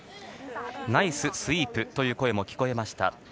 ナイススイープという声も聞かれました。